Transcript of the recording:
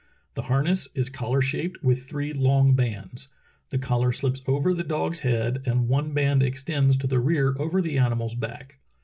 The harness is collar shaped with three long bands; the collar slips over the dog's head and one band extends to the rear over the animal's back.